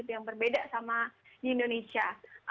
yang berbeda sama di indonesia